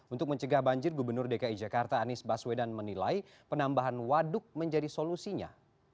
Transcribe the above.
untuk mencegah banjir gubernur dki jakarta anies baswedan menilai penambahan waduk menjadi solusinya